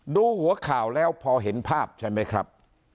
ดูหัวข่าวแล้วพอเห็นภาพใช่ไหมครับ